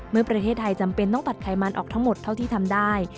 เมื่อประเทศไทยจำเป็นต้องผัดไขมันออกทั้งหมดเท่าที่ทำได้